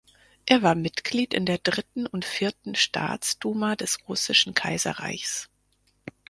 Er war Mitglied in der Dritten und Vierten Staatsduma des Russischen Kaiserreichs.